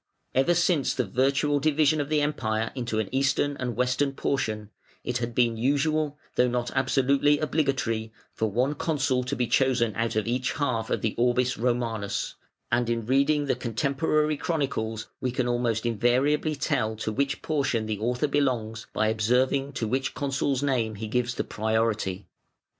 Ever since the virtual division of the Empire into an Eastern and Western portion, it had been usual, though not absolutely obligatory, for one Consul to be chosen out of each half of the Orbis Romanus, and in reading the contemporary chronicles we can almost invariably tell to which portion the author belongs by observing to which Consul's name he gives the priority.